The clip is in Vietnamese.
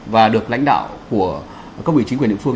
và được lãnh đạo của cấp ủy chính quyền địa phương